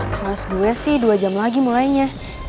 kelas gue sih dua jam lagi mulainya